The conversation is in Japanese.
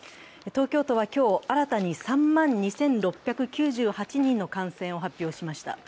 東京都は今日、新たに３万２６９８人の感染を発表しました。